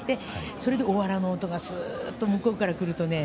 それで、おわらの音がスーッと向こうからくるとね